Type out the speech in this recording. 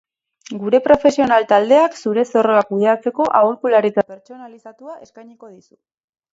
Gure profesional-taldeak zure zorroa kudeatzeko aholkularitza pertsonalizatua eskainiko dizu.